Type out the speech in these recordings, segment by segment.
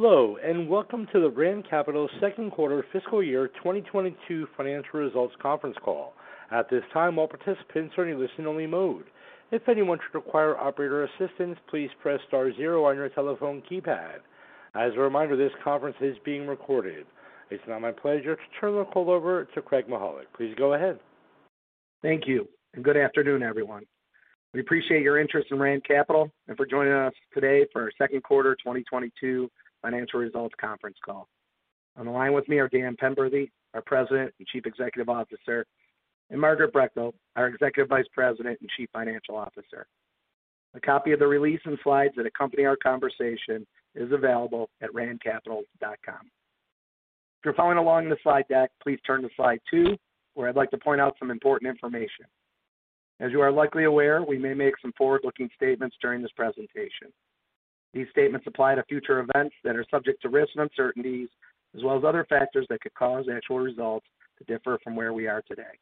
Hello, and welcome to the Rand Capital second quarter fiscal year 2022 financial results conference call. At this time, all participants are in listen-only mode. If anyone should require operator assistance, please press star zero on your telephone keypad. As a reminder, this conference is being recorded. It's now my pleasure to turn the call over to Craig Mychajluk. Please go ahead. Thank you, and good afternoon, everyone. We appreciate your interest in Rand Capital and for joining us today for our second quarter 2022 financial results conference call. On the line with me are Dan Penberthy, our President and Chief Executive Officer, and Margaret Brechtel, our Executive Vice President and Chief Financial Officer. A copy of the release and slides that accompany our conversation is available at randcapital.com. If you're following along in the slide deck, please turn to slide two, where I'd like to point out some important information. As you are likely aware, we may make some forward-looking statements during this presentation. These statements apply to future events that are subject to risks and uncertainties as well as other factors that could cause actual results to differ from where we are today.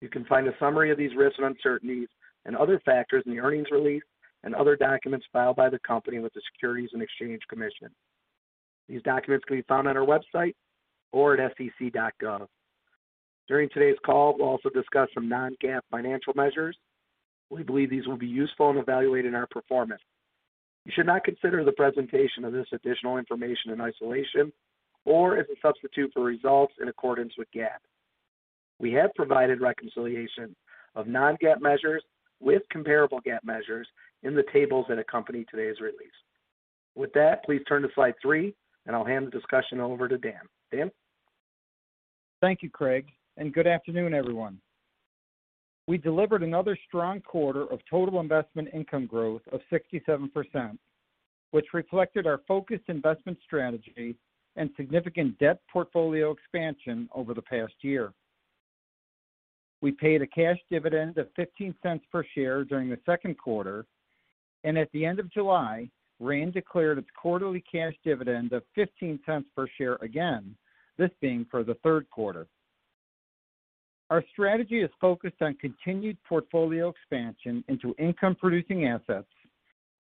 You can find a summary of these risks and uncertainties and other factors in the earnings release and other documents filed by the company with the Securities and Exchange Commission. These documents can be found on our website or at sec.gov. During today's call, we'll also discuss some non-GAAP financial measures. We believe these will be useful in evaluating our performance. You should not consider the presentation of this additional information in isolation or as a substitute for results in accordance with GAAP. We have provided reconciliation of non-GAAP measures with comparable GAAP measures in the tables that accompany today's release. With that, please turn to slide three, and I'll hand the discussion over to Dan. Dan? Thank you, Craig, and good afternoon, everyone. We delivered another strong quarter of total investment income growth of 67%, which reflected our focused investment strategy and significant debt portfolio expansion over the past year. We paid a cash dividend of $0.15 per share during the second quarter, and at the end of July, Rand declared its quarterly cash dividend of $0.15 per share again, this being for the third quarter. Our strategy is focused on continued portfolio expansion into income-producing assets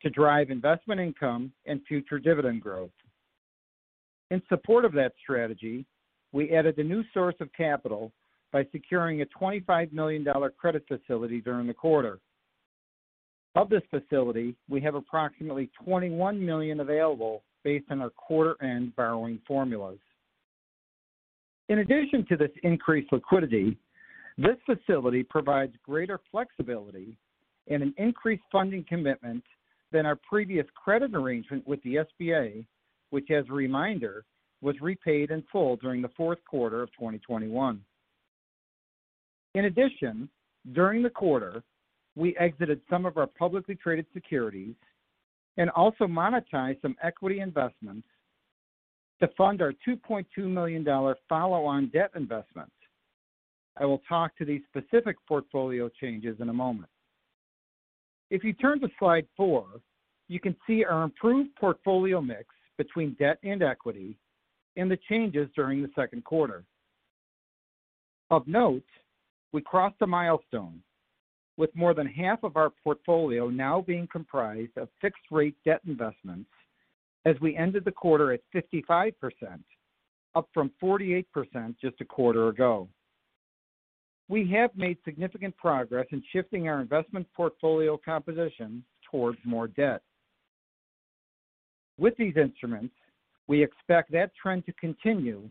to drive investment income and future dividend growth. In support of that strategy, we added a new source of capital by securing a $25 million credit facility during the quarter. Of this facility, we have approximately $21 million available based on our quarter-end borrowing formulas. In addition to this increased liquidity, this facility provides greater flexibility and an increased funding commitment than our previous credit arrangement with the SBA, which as a reminder, was repaid in full during the fourth quarter of 2021. In addition, during the quarter, we exited some of our publicly traded securities and also monetized some equity investments to fund our $2.2 million follow-on debt investment. I will talk to these specific portfolio changes in a moment. If you turn to slide four, you can see our improved portfolio mix between debt and equity and the changes during the second quarter. Of note, we crossed a milestone with more than half of our portfolio now being comprised of fixed-rate debt investments as we ended the quarter at 55%, up from 48% just a quarter ago. We have made significant progress in shifting our investment portfolio composition towards more debt. With these instruments, we expect that trend to continue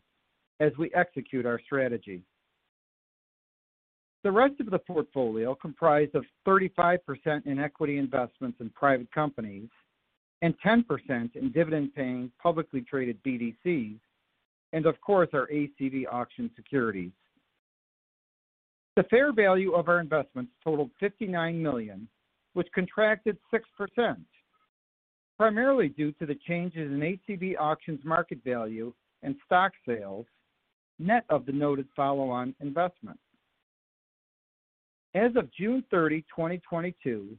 as we execute our strategy. The rest of the portfolio comprised of 35% in equity investments in private companies and 10% in dividend-paying publicly traded BDCs, and of course, our ACV Auctions securities. The fair value of our investments totaled $59 million, which contracted 6%, primarily due to the changes in ACV Auctions' market value and stock sales, net of the noted follow-on investment. As of June 30th, 2022,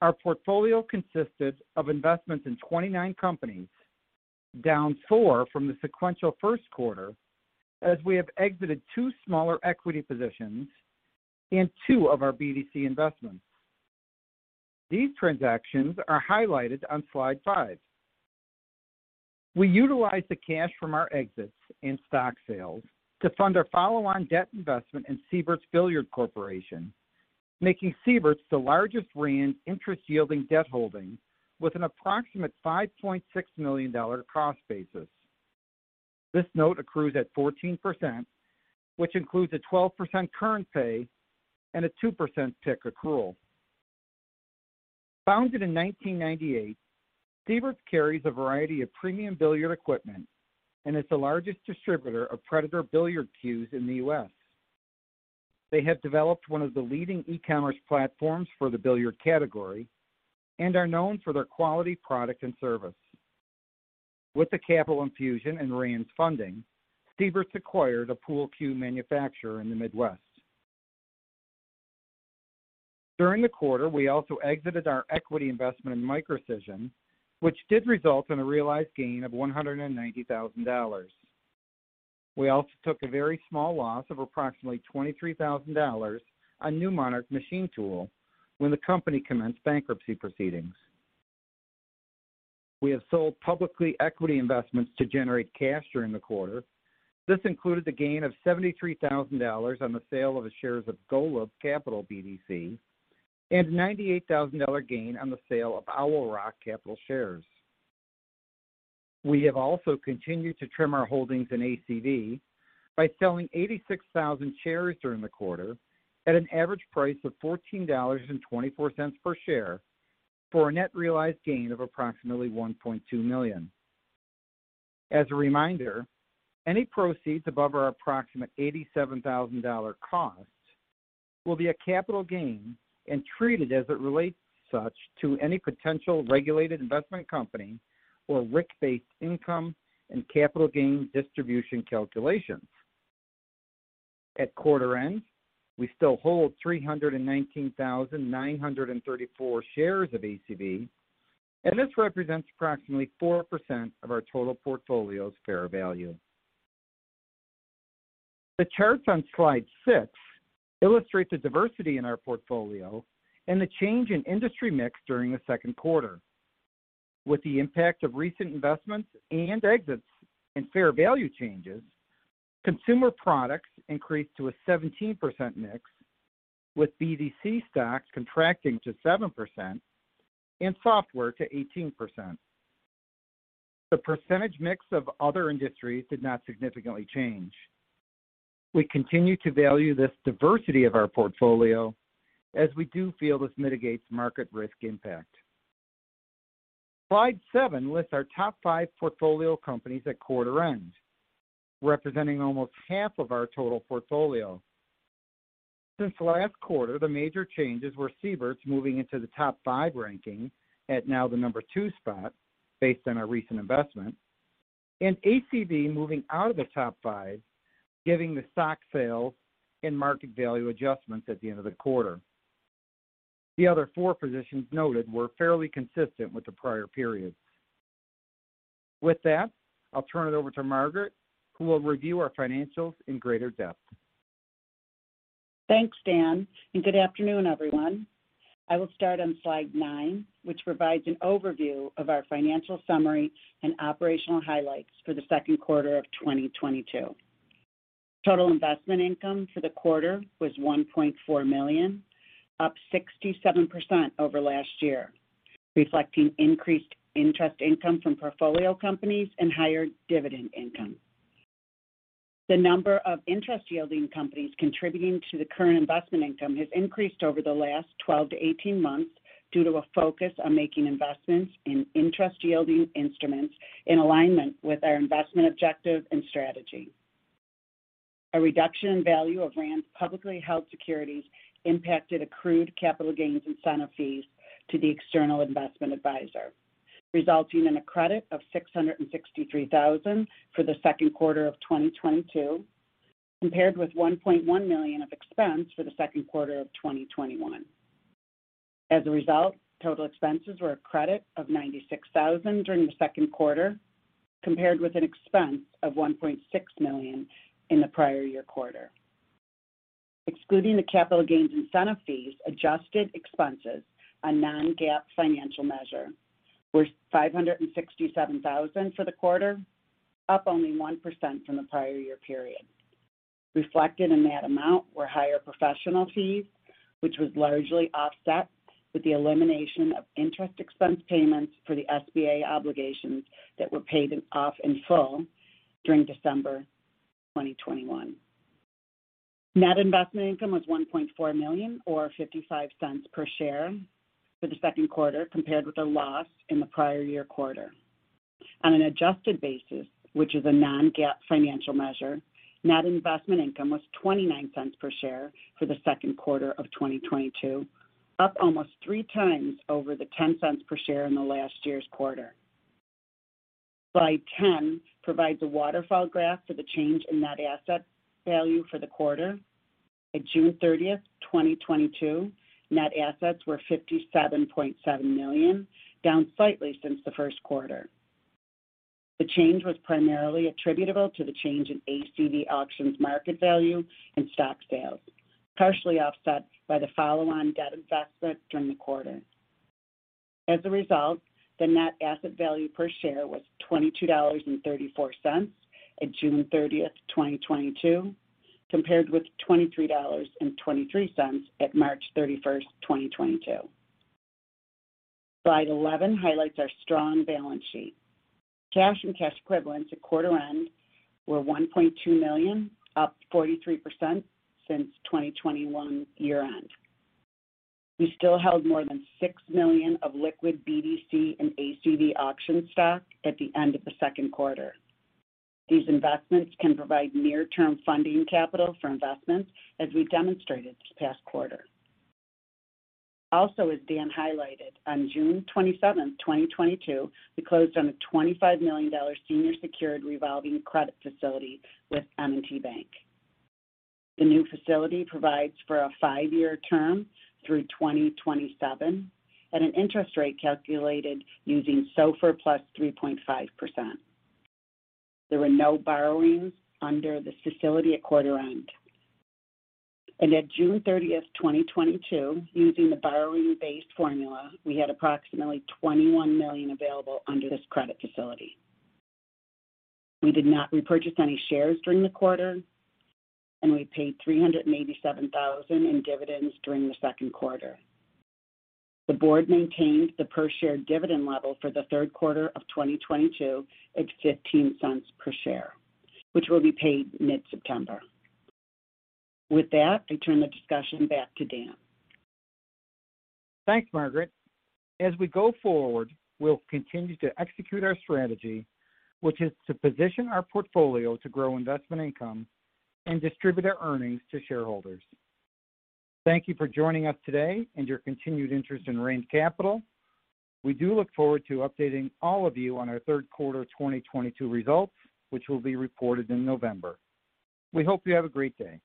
our portfolio consisted of investments in 29 companies, down four from the sequential first quarter, as we have exited two smaller equity positions and two of our BDC investments. These transactions are highlighted on slide five. We utilized the cash from our exits and stock sales to fund our follow-on debt investment in Seybert's Billiard Corporation, making Seybert's the largest Rand interest-yielding debt holding with an approximate $5.6 million cost basis. This note accrues at 14%, which includes a 12% current pay and a 2% PIK accrual. Founded in 1998, Seybert's carries a variety of premium billiard equipment and is the largest distributor of Predator billiard cues in the U.S. They have developed one of the leading e-commerce platforms for the billiard category and are known for their quality product and service. With the capital infusion and Rand's funding, Seybert's acquired a pool cue manufacturer in the Midwest. During the quarter, we also exited our equity investment in Microcision, which did result in a realized gain of $190,000. We also took a very small loss of approximately $23,000 on Monarch Machine Tool when the company commenced bankruptcy proceedings. We sold public equity investments to generate cash during the quarter. This included a gain of $73,000 on the sale of the shares of Golub Capital BDC and $98,000 gain on the sale of Owl Rock Capital shares. We have also continued to trim our holdings in ACV by selling 86,000 shares during the quarter at an average price of $14.24 per share for a net realized gain of approximately $1.2 million. As a reminder, any proceeds above our approximate $87,000 cost will be a capital gain and treated as it relates to such any potential regulated investment company or RIC-based income and capital gain distribution calculations. At quarter end, we still hold 319,934 shares of ACV, and this represents approximately 4% of our total portfolio's fair value. The charts on slide six illustrate the diversity in our portfolio and the change in industry mix during the second quarter. With the impact of recent investments and exits and fair value changes, consumer products increased to a 17% mix, with BDC stocks contracting to 7% and software to 18%. The percentage mix of other industries did not significantly change. We continue to value this diversity of our portfolio as we do feel this mitigates market risk impact. Slide seven lists our top five portfolio companies at quarter end, representing almost half of our total portfolio. Since last quarter, the major changes were Seybert's moving into the top five ranking at now the number two spot based on our recent investment, and ACV moving out of the top five, giving the stock sales and market value adjustments at the end of the quarter. The other four positions noted were fairly consistent with the prior period. With that, I'll turn it over to Margaret, who will review our financials in greater depth. Thanks, Dan, and good afternoon, everyone. I will start on slide nine, which provides an overview of our financial summary and operational highlights for the second quarter of 2022. Total investment income for the quarter was $1.4 million, up 67% over last year, reflecting increased interest income from portfolio companies and higher dividend income. The number of interest-yielding companies contributing to the current investment income has increased over the last 12-18 months due to a focus on making investments in interest-yielding instruments in alignment with our investment objective and strategy. A reduction in value of Rand's publicly held securities impacted accrued capital gains incentive fees to the external investment advisor, resulting in a credit of $663,000 for the second quarter of 2022, compared with $1.1 million of expense for the second quarter of 2021. As a result, total expenses were a credit of $96,000 during the second quarter, compared with an expense of $1.6 million in the prior year quarter. Excluding the capital gains incentive fees, adjusted expenses on non-GAAP financial measure were $567,000 for the quarter, up only 1% from the prior year period. Reflected in that amount were higher professional fees, which was largely offset with the elimination of interest expense payments for the SBA obligations that were paid off in full during December 2021. Net investment income was $1.4 million or $0.55 per share for the second quarter, compared with a loss in the prior year quarter. On an adjusted basis, which is a non-GAAP financial measure, net investment income was $0.29 per share for the second quarter of 2022, up almost three times over the $0.10 per share in last year's quarter. Slide 10 provides a waterfall graph for the change in net asset value for the quarter. By June 30th, 2022, net assets were $57.7 million, down slightly since the first quarter. The change was primarily attributable to the change in ACV Auctions market value and stock sales, partially offset by the follow-on debt investment during the quarter. As a result, the net asset value per share was $22.34 at June 30th, 2022, compared with $23.23 at March 31st, 2022. Slide 11 highlights our strong balance sheet. Cash and cash equivalents at quarter end were $1.2 million, up 43% since 2021 year-end. We still held more than $6 million of liquid BDC and ACV Auctions stock at the end of the second quarter. These investments can provide near-term funding capital for investments, as we demonstrated this past quarter. Also, as Dan highlighted, on June 27, 2022, we closed on a $25 million senior secured revolving credit facility with M&T Bank. The new facility provides for a five-year term through 2027 at an interest rate calculated using SOFR plus 3.5%. There were no borrowings under this facility at quarter end. At June 30th, 2022, using the borrowing-based formula, we had approximately $21 million available under this credit facility. We did not repurchase any shares during the quarter, and we paid $387,000 in dividends during the second quarter. The board maintained the per share dividend level for the third quarter of 2022 at $0.15 per share, which will be paid mid-September. With that, I turn the discussion back to Dan. Thanks, Margaret. As we go forward, we'll continue to execute our strategy, which is to position our portfolio to grow investment income and distribute our earnings to shareholders. Thank you for joining us today and your continued interest in Rand Capital. We do look forward to updating all of you on our third quarter 2022 results, which will be reported in November. We hope you have a great day.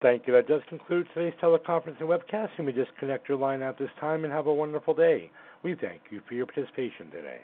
Thank you. That does conclude today's teleconference and webcast. You may disconnect your line at this time and have a wonderful day. We thank you for your participation today.